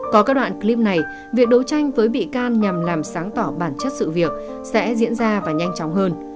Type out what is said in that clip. có các đoạn clip này việc đấu tranh với bị can nhằm làm sáng tỏ bản chất sự việc sẽ diễn ra và nhanh chóng hơn